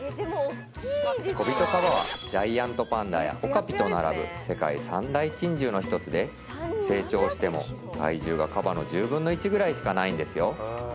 コビトカバはジャイアントパンダやオカピと並ぶ世界三大珍獣のひとつで成長しても体重はカバの１０の１ぐらいしかないんですよ